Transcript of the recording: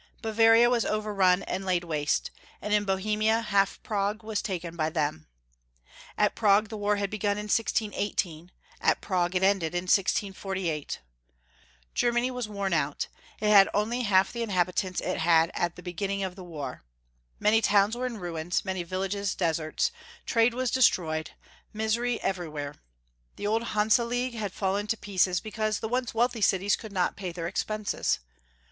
Bava ria was overrun and laid waste, and in Bohemia, half Prague was taken by them. At^Prague the war had begun in 1618, at Prague it ended in 1648. Germany was worn out ; it had only half the inhabitants it liad at the begin 854 Young Folks' History of Germany. ning of the war. Many towns were in ruins, many villages deserts, trade was destroyed, misery every* where. The old Hanse League had fallen to pieces because the once wealthy cities could not pay their expenses.